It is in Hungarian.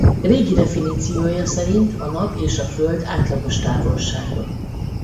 Régi definíciója szerint a Nap és a Föld átlagos távolsága.